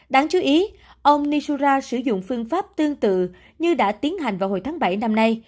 đáng chú ý ông nisura sử dụng phương pháp tương tự như đã tiến hành vào hồi tháng bảy năm nay